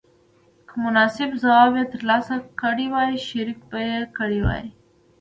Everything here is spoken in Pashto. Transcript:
که مناسب ځواب یې تر لاسه کړی وای شریک به یې کړی وای.